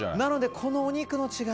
このお肉の違い